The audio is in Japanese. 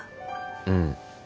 うん。